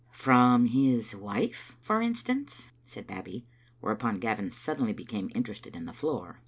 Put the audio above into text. "From his wife, for instance," said Babbie, where upon Gavin suddenly became interested in the floor.